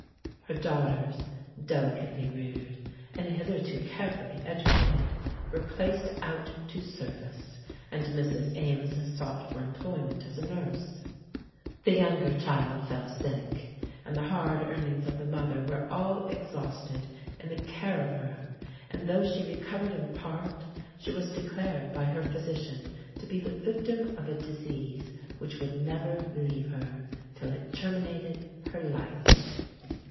Her daughters, delicately reared, and hitherto carefully educated, were placed out to service, and Mrs. Ames sought for employment as a nurse. The younger child fell sick, and the hard earnings of the mother were all exhausted in the care of her; and though she recovered in part, she was declared by her physician to be the victim of a disease which would never leave her till it terminated her life.